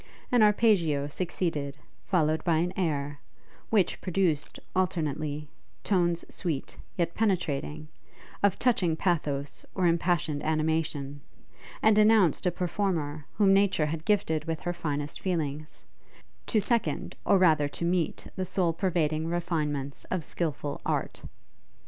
An Arpeggio succeeded, followed by an air, which produced, alternately, tones sweet, yet penetrating, of touching pathos or impassioned animation; and announced a performer whom nature had gifted with her finest feelings, to second, or rather to meet the soul pervading refinements of skilful art.